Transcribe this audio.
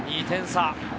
２点差。